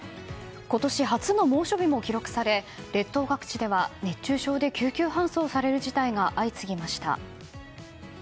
今年初の猛暑日も記録され列島各地では熱中症で救急搬送される事態が相次ぎました。